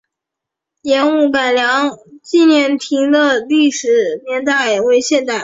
盐务改良纪念亭的历史年代为现代。